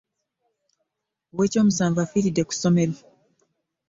Ow'eky'omusanvu afiiride ku somero.